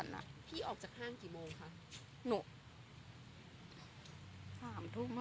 สร้างพี่ออกจากห้างกี่โมงค่ะนุ